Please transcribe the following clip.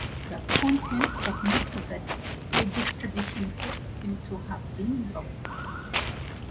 The contents of most the redistribution tapes seem to have been lost.